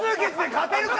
勝てるか！